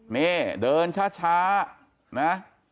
นี่เดินช้านะ